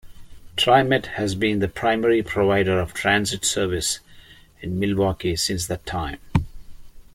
TriMet has been the primary provider of transit service in Milwaukie since that time.